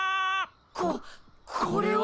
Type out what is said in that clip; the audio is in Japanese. こっこれは！